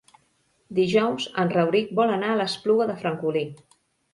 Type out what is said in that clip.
Dijous en Rauric vol anar a l'Espluga de Francolí.